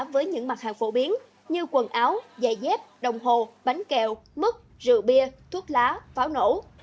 với những mặt hàng phổ biến như quần áo giày dép đồng hồ bánh kẹo mứt rượu bia thuốc lá pháo nổ